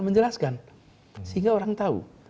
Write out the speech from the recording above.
menjelaskan sehingga orang tahu